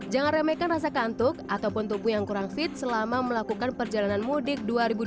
jangan remehkan rasa kantuk ataupun tubuh yang kurang fit selama melakukan perjalanan mudik dua ribu dua puluh